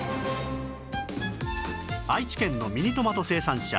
愛知県のミニトマト生産者